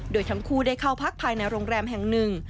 โดยทั้งคู่ได้เข้าพักภายในโรงแรมแห่งหนึ่ง